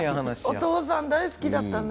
お父さん、大好きだったんだ。